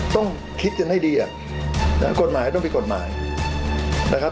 ต้องคิดจนให้ดีอ่ะนะฮะกฎหมายต้องมีกฎหมายนะครับ